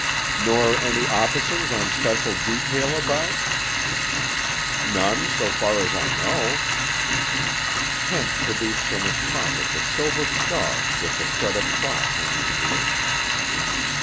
"Nor any officers on special detail about?" "None, so far as I know." Kent produced from his pocket the silver star with the shred of cloth hanging to it.